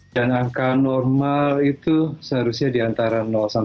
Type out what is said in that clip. dan angka normal itu seharusnya di antara lima puluh